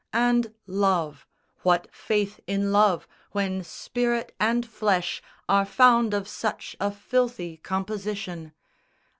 And Love, what faith in Love, when spirit and flesh Are found of such a filthy composition?